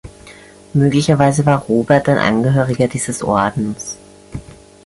Möglicherweise war Robert ein Angehöriger dieses Ordens.